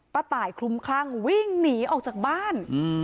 ตายคลุมคลั่งวิ่งหนีออกจากบ้าน